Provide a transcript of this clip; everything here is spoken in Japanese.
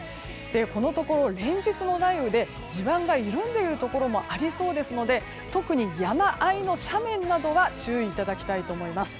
このところ連日の雷雨で地盤が緩んでいるところもありそうですので特に、山あいの斜面などは注意いただきたいと思います。